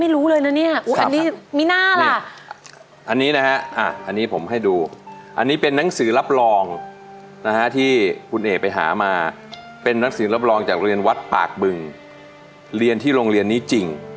เรียนที่โรงเรียนนี้จริง